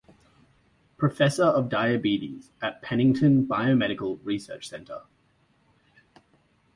Professor of Diabetes at Pennington Biomedical Research Center.